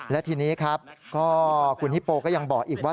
และทีนี้ครับก็คุณฮิปโปก็ยังบอกอีกว่า